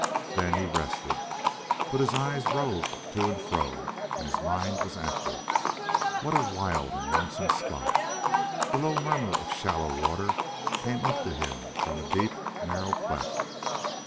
Then he rested. But his eyes roved to and fro, and his mind was active. What a wild and lonesome spot! The low murmur of shallow water came up to him from a deep, narrow cleft.